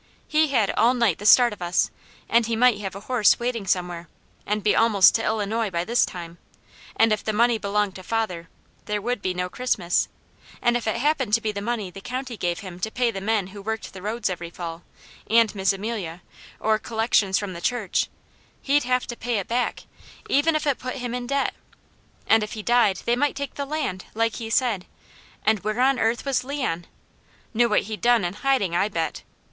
He had all night the start of us, and he might have a horse waiting somewhere, and be almost to Illinois by this time, and if the money belonged to father, there would be no Christmas; and if it happened to be the money the county gave him to pay the men who worked the roads every fall, and Miss Amelia, or collections from the church, he'd have to pay it back, even if it put him in debt; and if he died, they might take the land, like he said; and where on earth was Leon? Knew what he'd done and hiding, I bet!